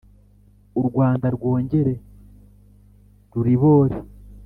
U Rwanda rwongere ruribore